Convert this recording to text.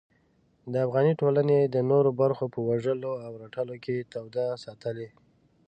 د افغاني ټولنې د نورو برخو په وژلو او رټلو کې توده ساتلې.